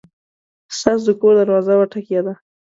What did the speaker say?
ستاسو د کور دروازه وټکېده!